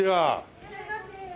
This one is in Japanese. いらっしゃいませ。